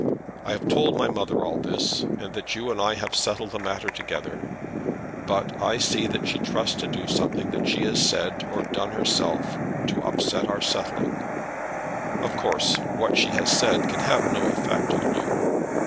I have told my mother all this, and that you and I have settled the matter together; but I see that she trusts to something that she has said or done herself to upset our settling. Of course, what she has said can have no effect on you.